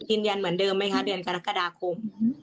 ยืนยันเหมือนเดิมไหมคะเดือนกรกฎาคม